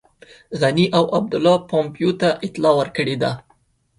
غني او عبدالله پومپیو ته اطلاع ورکړې ده.